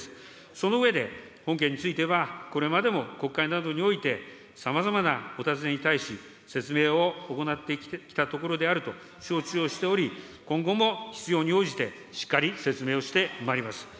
その上で、本件についてはこれまでも国会などにおいて、さまざまなお尋ねに対し、説明を行ってきたところであると承知をしており、今後も必要に応じて、しっかり説明をしてまいります。